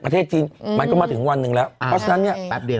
ประเทศจีนอืมมันก็มาถึงวันหนึ่งแล้วเพราะฉะนั้นเนี่ยแป๊บเดียว